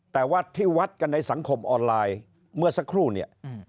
แต่ว่าที่วัดกันในสังคมออนไลน์เมื่อสักครู่เนี่ย